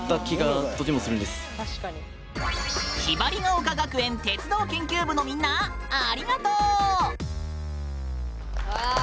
雲雀丘学園鉄道研究部のみんなありがとう！